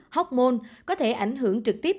hormôn có thể ảnh hưởng trực tiếp